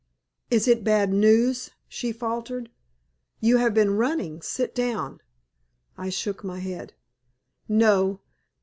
"Is it bad news?" she faltered. "You have been running. Sit down." I shook my head. "No.